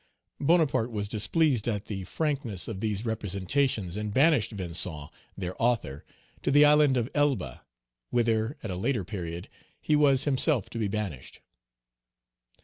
Bonaparte was displeased at the frankness of these representations, and banished Vincent, their author, to the island of Elba, whither, at a later period, he was himself to be banished.